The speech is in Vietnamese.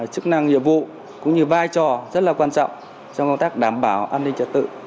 chức năng nhiệm vụ cũng như vai trò rất là quan trọng trong công tác đảm bảo an ninh trật tự